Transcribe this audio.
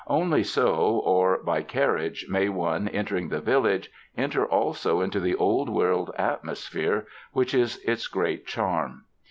Only so, or by carriage, may one, entering the village, enter also into the Old World atmosphere which is its great charm.